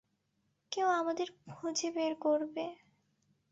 কেউ আমাদের খুঁজে বের করবে।